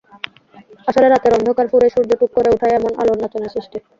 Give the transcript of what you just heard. আসলে রাতের অন্ধকার ফুঁড়ে সূর্য টুক করে ওঠায় এমন আলোর নাচনের সৃষ্টি।